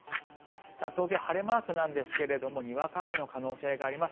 東京、晴れマークなんですがにわか雨の可能性があります。